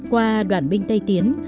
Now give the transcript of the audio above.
qua đoàn binh tây tiến